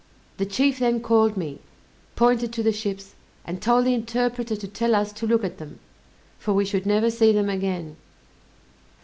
The chief then called me, pointed to the ships, and told the interpreter to tell us to look at them, for we should never see them again.